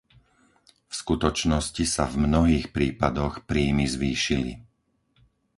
V skutočnosti sa v mnohých prípadoch príjmy zvýšili.